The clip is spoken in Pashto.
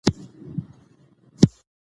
د ابدالیانو اربابي د خدکي سلطان په کاله کې وه.